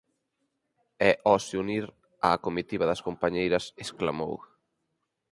E ó se unir á comitiva das compañeiras, exclamou